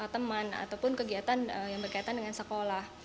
teman ataupun kegiatan yang berkaitan dengan sekolah